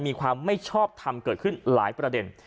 มีความไม่ชอบทำเกิดขึ้นหลายประเด็น